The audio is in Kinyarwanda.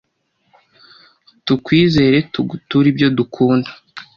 tukwizere, tuguture ibyo dukunda